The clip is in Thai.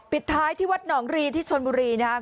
ปิดท้ายที่วัดหนองรีที่ชนบุรีนะครับ